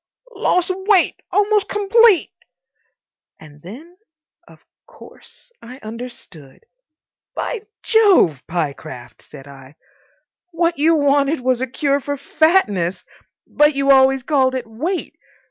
"Loss of weight—almost complete." And then, of course, I understood. "By Jove, Pyecraft," said I, "what you wanted was a cure for fatness! But you always called it weight.